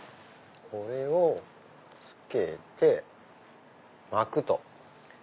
これをつけて巻くと。